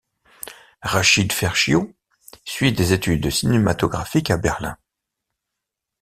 Rachid Ferchiou suit des études cinématographiques à Berlin.